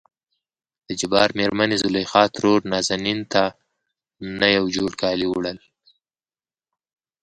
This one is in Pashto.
دجبار مېرمنې زليخا ترور نازنين ته نه يو جوړ کالي وړل.